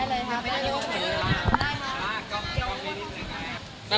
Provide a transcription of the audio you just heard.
มีปิดฟงปิดไฟแล้วถือเค้กขึ้นมา